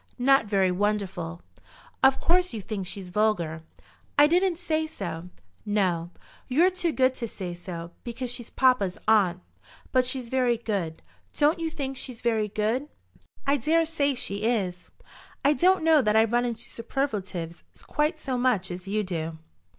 "Not very wonderful." "Of course you think she's vulgar." "I didn't say so." "No; you're too good to say so, because she's papa's aunt. But she's very good. Don't you think she's very good?" "I dare say she is. I don't know that I run into superlatives quite so much as you do."